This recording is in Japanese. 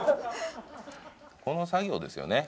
この作業ですよね。